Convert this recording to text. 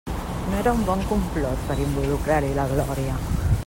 No era un bon complot per involucrar-hi la Glòria!